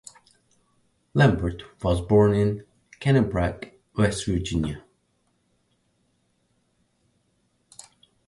Lambert was born in Canebrake, West Virginia.